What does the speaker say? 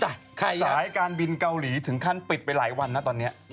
สายการบินเกาหลีถึงขั้นปิดไปหลายวันนะตอนนี้